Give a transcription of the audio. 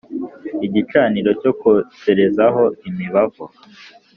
Igicaniro cyo koserezaho imibavu